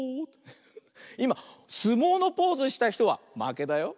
いますもうのポーズしたひとはまけだよ。